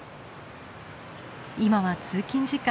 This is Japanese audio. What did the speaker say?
今は通勤時間。